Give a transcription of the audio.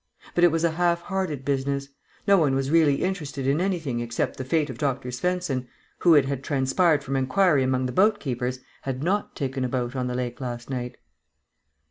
But it was a half hearted business. No one was really interested in anything except the fate of Dr. Svensen, who, it had transpired from inquiry among the boat keepers, had not taken a boat on the lake last night.